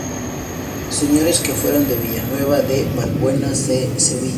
Señores que fueron de Villanueva de Valbuena de Sevilla.